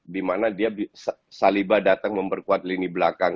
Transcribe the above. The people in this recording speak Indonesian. dimana dia saliba datang memperkuat lini belakang